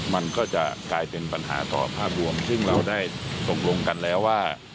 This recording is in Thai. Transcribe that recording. มันก็จะกลายเป็นปัญหาต่อภาพรวมซึ่งเราได้ตกลงกันแล้วว่า